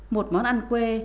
một món ăn quê